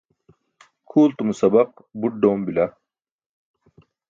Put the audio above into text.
kʰultumo sabaq buṭ ḍoom bila